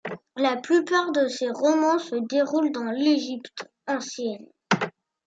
La plupart de ses romans se déroulent dans l'Égypte ancienne.